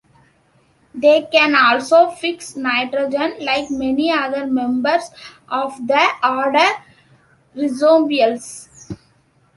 They can also fix nitrogen, like many other members of the order Rhizobiales.